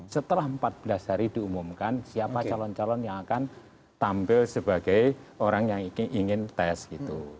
setelah empat belas hari diumumkan siapa calon calon yang akan tampil sebagai orang yang ingin tes gitu